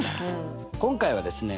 今回はですね